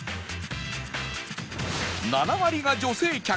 ７割が女性客